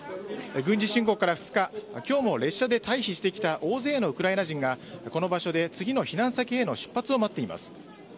軍事侵攻から２日今日も列車で退避してきた大勢のウクライナ人がこの場所で次の避難先への出発を待っています。